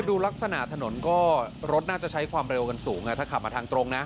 ดูลักษณะถนนก็รถน่าจะใช้ความเร็วกันสูงถ้าขับมาทางตรงนะ